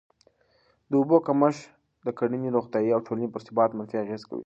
د اوبو کمښت د کرهڼې، روغتیا او ټولني پر ثبات منفي اغېز کوي.